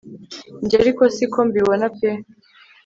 njye ariko siko mbibona pe